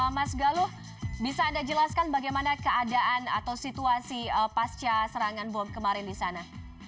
mas galuh bisa anda jelaskan bagaimana keadaan atau situasi pasca serangan bom kemarin di sana